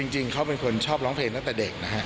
จริงเขาเป็นคนชอบร้องเพลงตั้งแต่เด็กนะฮะ